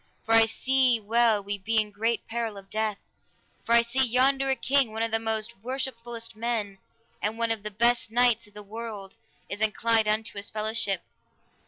for I see well we be in great peril of death; for I see yonder a king, one of the most worshipfullest men and one of the best knights of the world, is inclined unto his fellowship.